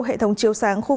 hệ thống chiếu sáng khu vực